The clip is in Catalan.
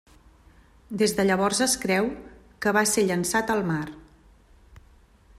Des de llavors es creu que va ser llançat al mar.